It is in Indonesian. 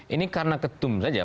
ini karena ketum saja